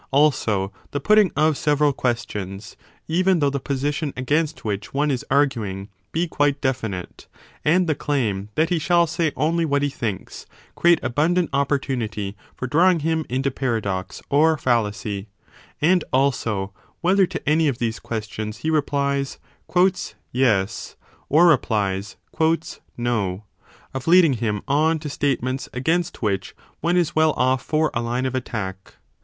Also the putting of several questions, even though the position against which one is arguing be quite definite, and the claim that he shall say only what he thinks, create abundant opportunity for drawing him into paradox or fallacy, and also, whether to any of these questions he replies Yes or replies No , of leading him on to state ments against which one is well off for a line of attack.